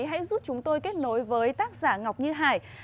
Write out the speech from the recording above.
hãy giúp chúng tôi kết nối với tác giả ngọc như hải